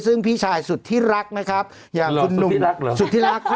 ซึ่งพี่ชายสุดที่รักนะครับอย่าคุณหนุ่มหรอสุดที่รักเหรอ